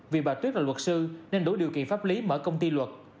vì bà tuyết là luật sư nên đối điều kỳ pháp lý mở công ty luật